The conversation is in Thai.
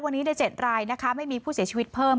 วันนี้ใน๗รายนะคะไม่มีผู้เสียชีวิตเพิ่ม